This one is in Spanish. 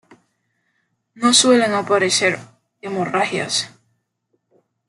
No suelen aparecer hemorragias.